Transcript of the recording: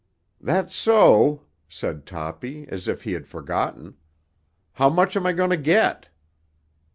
"That's so," said Toppy, as if he had forgotten. "How much am I going to get?"